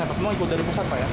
apa semua ikut dari pusat pak